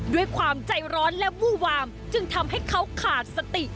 ด้วยความใจร้อนและวู้วามจึงทำให้เขาขาดสติ